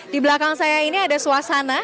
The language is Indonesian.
di belakang saya ini ada suasana